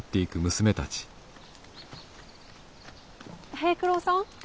平九郎さん？